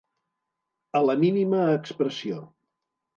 A la mínima expressió.